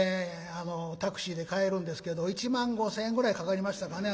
タクシーで帰るんですけど１万５，０００円ぐらいかかりましたかね